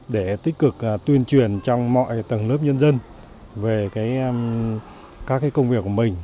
để tích cực tuyên truyền trong mọi tầng lớp nhân dân về các công việc của mình